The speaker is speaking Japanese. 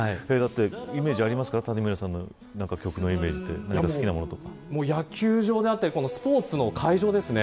イメージありますか谷村さんの何か曲のイメージで野球場であったりスポーツの会場ですね